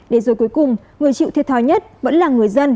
để rồi cuối cùng người chịu thiệt thòi nhất vẫn là người dân